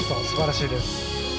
素晴らしいです。